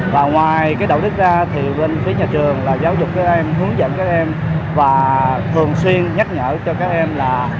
và ngoài cái đạo đức ra thì bên phía nhà trường là giáo dục các em hướng dẫn các em và thường xuyên nhắc nhở cho các em là